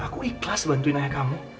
aku ikhlas bantuin ayah kamu